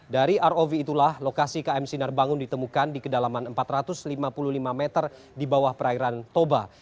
dari rov itulah lokasi km sinar bangun ditemukan di kedalaman empat ratus lima puluh lima meter di bawah perairan toba